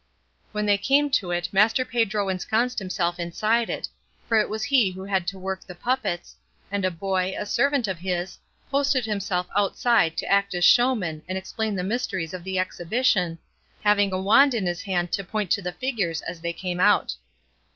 When they came to it Master Pedro ensconced himself inside it, for it was he who had to work the puppets, and a boy, a servant of his, posted himself outside to act as showman and explain the mysteries of the exhibition, having a wand in his hand to point to the figures as they came out.